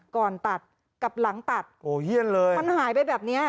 ก่อนตัดกับหลังตัดโอ้เฮียนเลยมันหายไปแบบเนี้ย